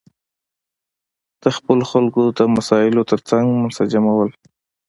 د خپلو خلکو د مسایلو ترڅنګ منسجمول.